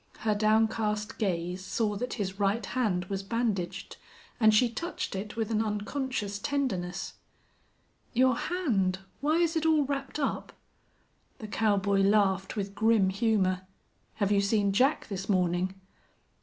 Her downcast gaze saw that his right hand was bandaged, and she touched it with an unconscious tenderness. "Your hand! Why is it all wrapped up?" The cowboy laughed with grim humor. "Have you seen Jack this morning?"